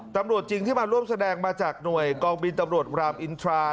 ตำรวจจริงที่มาร่วมแสดงมาจากหน่วยกองบินตำรวจรามอินทรา